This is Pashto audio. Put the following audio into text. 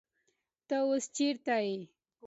تۀ اوس چېرته يې ؟